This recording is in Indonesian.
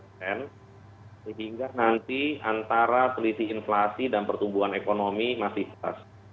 sehingga nanti antara selisih inflasi dan pertumbuhan ekonomi masih stres